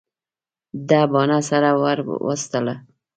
ده باڼه سره ور وستله.